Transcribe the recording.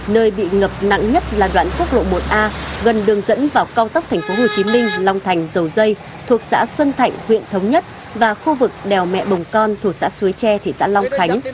nơi bị ngập nặng nhất là đoạn quốc lộ một a gần đường dẫn vào cao tốc thành phố hồ chí minh long thành dầu dây thuộc xã xuân thạnh huyện thống nhất và khu vực đèo mẹ bồng con thuộc xã xuế tre thị xã long khánh